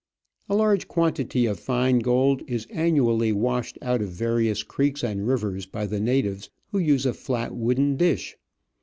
A large quantity of fine gold is annually washed out of various creeks and rivers by the natives, who use a flat wooden dish.